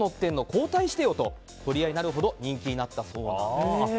交代してよと取り合いになるほど人気になったそうなんです。